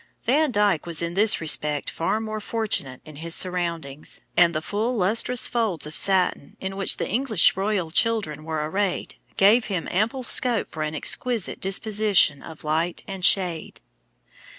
Van Dyck was in this respect far more fortunate in his surroundings, and the full, lustrous folds of satin in which the English royal children were arrayed, gave him ample scope for an exquisite disposition of light and shade.